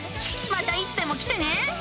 またいつでも来てね。